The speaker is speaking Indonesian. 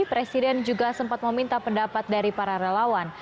presiden juga sempat meminta pendapat dari para relawan